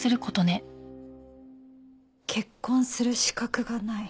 「結婚する資格がない」。